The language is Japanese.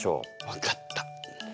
分かった。